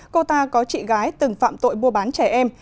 cô ta có chị gái từng phạm tội mua bán trẻ em